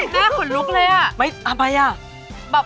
น่าขนลุกเลยอะ